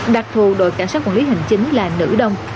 đặc thù đội cảnh sát quản lý hành chính là nữ đông